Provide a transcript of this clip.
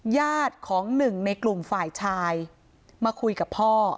ญาติของหนึ่งในกลุ่มฝ่ายชายมาคุยกับพ่อ